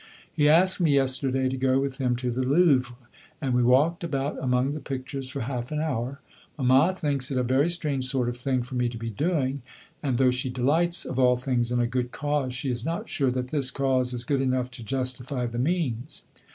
He asked me yesterday to go with him to the Louvre, and we walked about among the pictures for half an hour. Mamma thinks it a very strange sort of thing for me to be doing, and though she delights, of all things, in a good cause, she is not sure that this cause is good enough to justify the means.